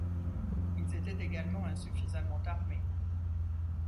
Ils étaient également insuffisamment armés.